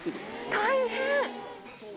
大変！